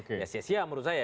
ya sia sia menurut saya